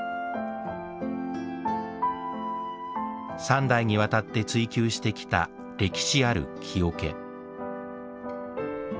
三代に渡って追求してきた歴史ある木桶。